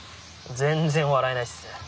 全然笑えないっす。